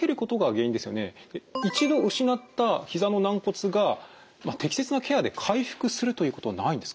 一度失ったひざの軟骨が適切なケアで回復するということはないんですか？